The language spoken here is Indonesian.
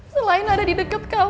selain ada di dekat kamu afif